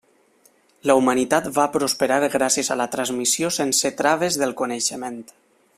La humanitat va prosperar gràcies a la transmissió sense traves del coneixement.